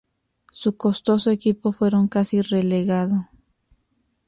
Su costoso equipo fueron casi relegado.